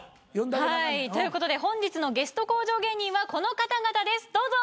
はいということで本日のゲスト向上芸人はこの方々ですどうぞ！